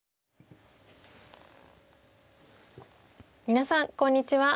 皆さんこんにちは。